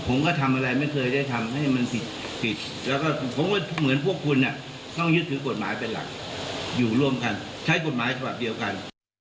ผมก็ทำอะไรไม่เคยได้ทำให้มันผิดแล้วก็ผมก็เหมือนพวกคุณต้องยึดถือกฎหมายเป็นหลักอยู่ร่วมกันใช้กฎหมายฉบับเดียวกัน